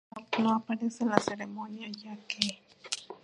Bradl no aparece en la ceremonia ya que.